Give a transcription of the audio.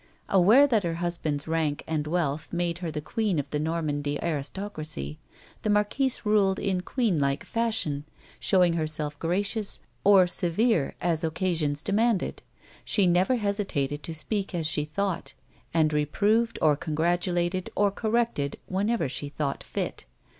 Aware that her husband's rank and wealth made her the queen of the A WOMAN'S LIFE. 195 Normandy aristocracy, the marquise ruled in qneen likc fashion, showing herself gracious or severe as occasions demanded. She never hesitated to speak as she thought, and reproved, or congratulated, or corrected whenever she thought fit.